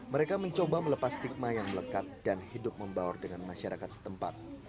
mereka mencoba melepas stigma yang melekat dan hidup membaur dengan masyarakat setempat